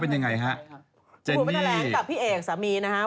พูดไว้แถลงกับพี่เอกสามีนะครับ